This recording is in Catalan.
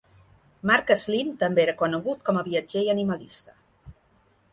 Marc Sleen també era conegut com a viatger i animalista.